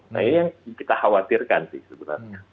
nah ini yang kita khawatirkan sih sebenarnya